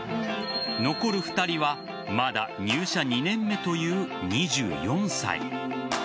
残る２人はまだ入社２年目という２４歳。